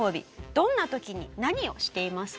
どんな時に何をしていますか？